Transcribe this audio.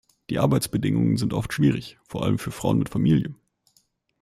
Die Arbeitsbedingungen sind oft schwierig, vor allem für Frauen mit Familie.